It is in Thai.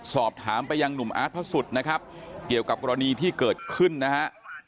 สอบถามไปยังหนุ่มอาร์ตพระสุทธิ์นะครับเกี่ยวกับกรณีที่เกิดขึ้นนะฮะ